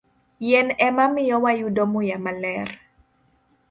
Yien ema miyo wayudo muya maler.